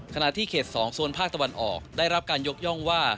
ขณะที่เขต๒โซนภาคตะวันออกได้รับการยกย่องว่า